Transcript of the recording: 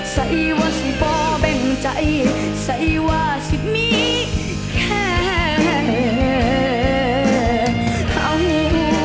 ใส่ว่าจะเป่าแบ่งใจใส่ว่าจะมีแค่